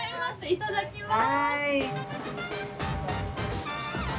いただきます！